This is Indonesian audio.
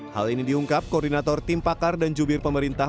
hal ini diungkap koordinator tim pakar dan jubir pemerintah